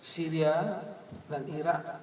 syria dan iraq